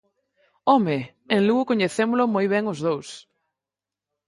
¡Home!, en Lugo coñecémolo moi ben os dous.